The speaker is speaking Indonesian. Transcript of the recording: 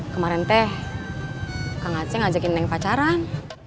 kemarin teh kak ngaceng ajakin neng pacaran